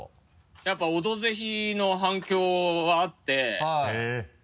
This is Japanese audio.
やっぱ「オドぜひ」の反響はあってへぇ。